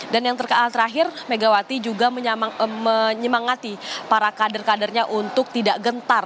dan yang terakhir megawati juga menyemangati para kader kadernya untuk tidak gentar